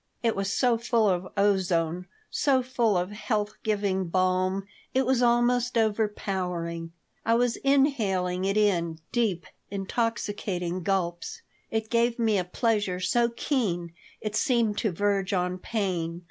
It was so full of ozone, so full of health giving balm, it was almost overpowering. I was inhaling it in deep, intoxicating gulps. It gave me a pleasure so keen it seemed to verge on pain.